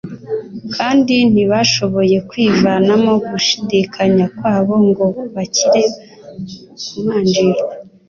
kandi ntibashoboye kwivanamo gushidikanya kwabo ngo bakire kumanjirwa.